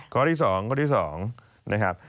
ข้อที่สองข้อที่สองนะครับ